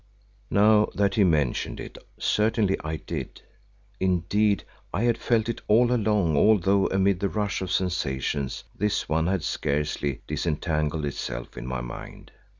Now that he mentioned it, certainly I did; indeed, I had felt it all along although amid the rush of sensations this one had scarcely disentangled itself in my mind.